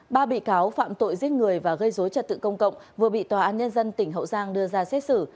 ba bị cáo phạm tội giết người và gây dối trật tự công cộng vừa bị tòa án nhân dân tỉnh hậu giang đưa ra xét xử